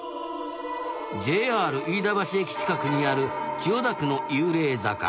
ＪＲ飯田橋駅近くにある千代田区の幽霊坂。